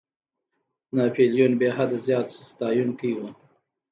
ناپولیون بېحده زیات ستایونکی وو.